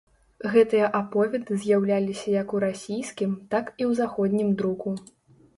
Гэтыя аповеды з'яўляліся як у расійскім, так і ў заходнім друку.